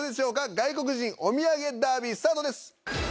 外国人おみやげダービー、スタートです。